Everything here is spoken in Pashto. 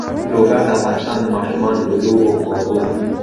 لوگر د افغان ماشومانو د لوبو موضوع ده.